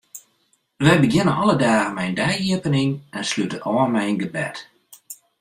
Wy begjinne alle dagen mei in dei-iepening en slute ôf mei in gebed.